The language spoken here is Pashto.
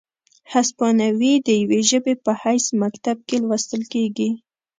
هسپانیوي د یوې ژبې په حیث مکتب کې لوستل کیږي،